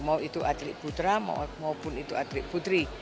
mau itu atlet putra maupun itu atlet putri